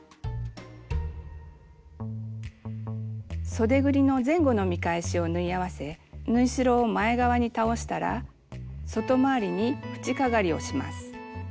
そでぐりの前後の見返しを縫い合わせ縫い代を前側に倒したら外回りに縁かがりをします。